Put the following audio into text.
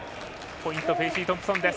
ポイントフェイシートンプソンです。